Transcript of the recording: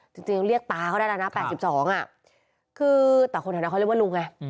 จริงเรียกตาเขาได้แล้วนะ๘๒คือแต่คนแถวนั้นเขาเรียกว่าลุงไง